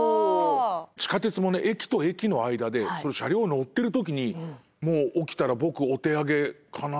駅と駅の間で車両乗ってる時に起きたら僕お手上げかな？